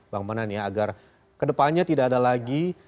bang manan ya agar kedepannya tidak ada lagi